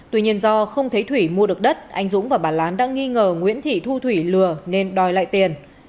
tuy nhiên do không thấy thủy mua được đất anh dũng và bà lán đang nghi ngờ nguyễn thị thu thủy lừa nên đòi lại tiền